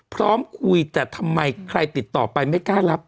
พร้อมคุยแต่ทำไมใครติดต่อไปไม่กล้ารับ